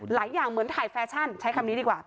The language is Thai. หลายอย่างเหมือนถ่ายแฟชั่นใช้คำนี้ดีกว่า